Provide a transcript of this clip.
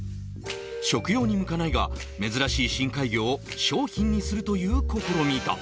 食用に向かないが、珍しい深海魚を商品にするという試みだ。